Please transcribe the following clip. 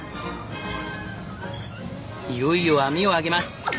いよいよ網を上げます。